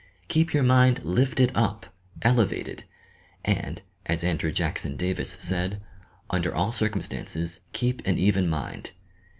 Keep your mind lifted up, elevated ; and, as Andrew Jackson Davis said, "Under all circumstances keep an even mind."